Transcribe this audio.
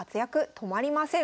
止まりません。